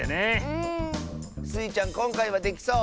うん。スイちゃんこんかいはできそう？